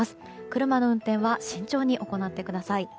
車の運転は慎重に行ってください。